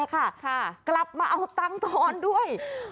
ค่ะกลับมาเอาตังค์ทอนด้วยอ้อ